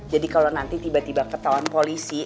jadi kalau nanti tiba tiba ketahuan polisi